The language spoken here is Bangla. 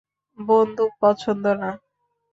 বন্দুক পছন্দ না।